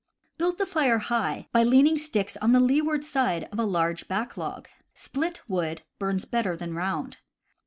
Build the fire high, by leaning sticks on the leeward side of a large back log. Split wood burns better than round.